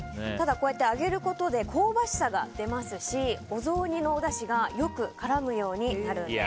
揚げることで香ばしさが出ますしお雑煮のおだしがよく絡むようになるんです。